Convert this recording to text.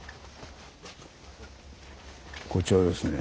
こちらですね。